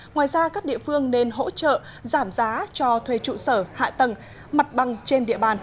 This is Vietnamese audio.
ngoài ra các địa phương nên hỗ trợ giảm giá cho thuê trụ sở hạ tầng mặt bằng trên địa bàn